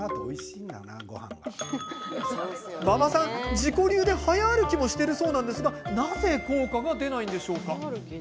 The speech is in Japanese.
自己流で早歩きもしているそうですがなぜ効果が出ないんでしょうか？